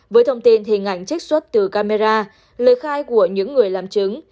với thông tin hình ảnh trích xuất từ camera lời khai của những người làm chứng